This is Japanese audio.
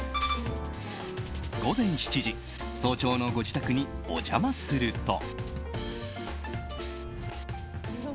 午前７時早朝のご自宅にお邪魔すると。